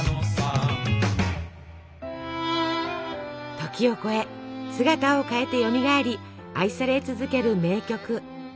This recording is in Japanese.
時を超え姿を変えてよみがえり愛され続ける名曲。